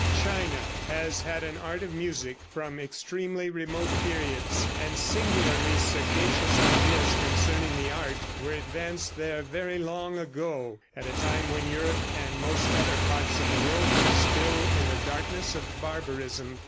China has had an art of music from extremely remote periods, and singularly sagacious ideas concerning the art were advanced there very long ago, at a time when Europe and most other parts of the world were still in the darkness of barbarism.